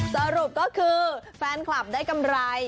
สรุปก็คือแฟนคลับได้กำไร